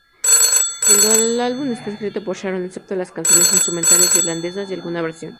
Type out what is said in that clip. El álbum está escrito por Sharon, excepto las canciones instrumentales irlandesas y alguna versión.